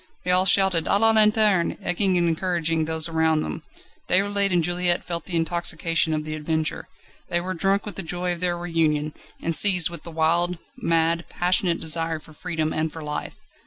They all shouted "A la lanterne!" egging and encouraging those around them. Déroulède and Juliette felt the intoxication of the adventure. They were drunk with the joy of their reunion, and seized with the wild, mad, passionate desire for freedom and for life